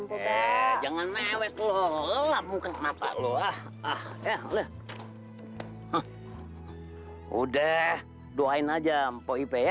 mpok jangan mewek lu lap muka mata lu ah ah udah udah doain aja mpok ipeh ya